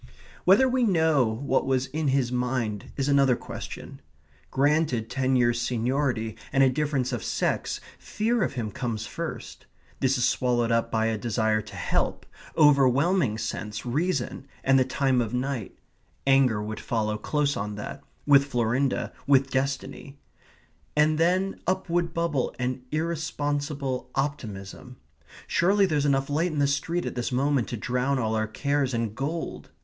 Whether we know what was in his mind is another question. Granted ten years' seniority and a difference of sex, fear of him comes first; this is swallowed up by a desire to help overwhelming sense, reason, and the time of night; anger would follow close on that with Florinda, with destiny; and then up would bubble an irresponsible optimism. "Surely there's enough light in the street at this moment to drown all our cares in gold!"